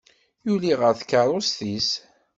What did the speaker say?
Yuli ɣer tkeṛṛust-is.